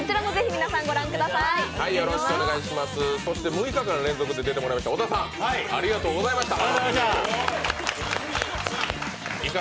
６日間連続で出てくれた小田さん、ありがとうございました。